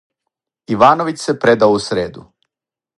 Ивановић се предао у среду.